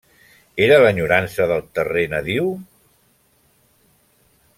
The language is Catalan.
¿Era l'enyorança del terrer nadiu?